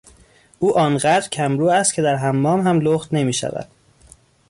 او آنقدر کمرو است که در حمام هم لخت نمیشود.